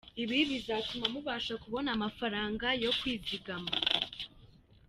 Ibi bizatuma mubasha kubona amafaranga yo kwizigama”.